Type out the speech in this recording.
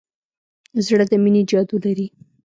زړه د مینې جادو لري.